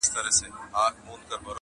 پر زکندن به د وطن ارمان کوینه-